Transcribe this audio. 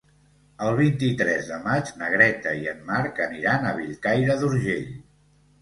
El vint-i-tres de maig na Greta i en Marc aniran a Bellcaire d'Urgell.